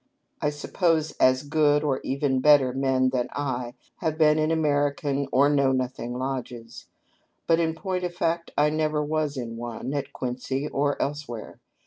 I suppose as good, or even better, men than I may have been in American or Know Nothing lodges ; but, in point of fact, I never was in one, at Quincy or elsewhere.